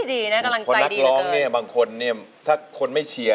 คนรักร้องบางคนถ้าคนไม่เชียร์